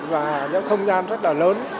và những không gian rất là lớn